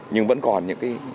nhưng vẫn còn những cái